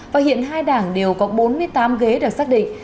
và hiện hai đảng đều có bốn mươi tám ghế được xác định